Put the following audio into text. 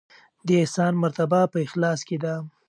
د احسان مرتبه په اخلاص کې ده.